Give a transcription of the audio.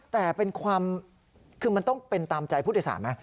แต่เป็นความคือมันต้องเป็นตามใจผู้โดยสารไหม